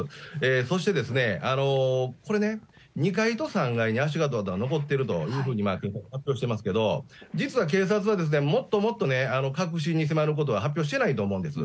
そしてですね、これね、２階と３階に足跡が残ってるというふうに発表していますけれども、実は警察はもっともっとね、核心に迫ることは発表してないと思うんです。